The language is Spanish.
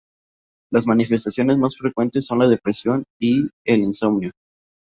Las manifestaciones más frecuentes son la depresión y el insomnio.